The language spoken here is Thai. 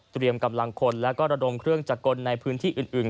เตรียมกำลังคนและระดมเครื่องจักรกลในพื้นที่อื่น